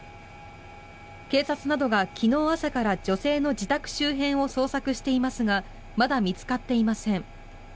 警察などが昨日朝から女性の自宅周辺を捜索していますがまだ見つかっていません。